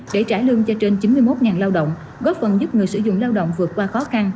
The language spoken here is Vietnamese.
để trả lương cho trên chín mươi một lao động góp phần giúp người sử dụng lao động vượt qua khó khăn